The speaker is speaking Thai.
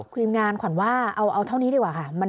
ทีมงานขวัญว่าเอาเท่านี้ดีกว่าค่ะ